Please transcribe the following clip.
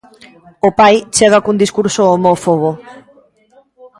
O pai chega cun discurso homófobo.